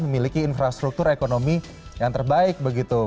memiliki infrastruktur ekonomi yang terbaik begitu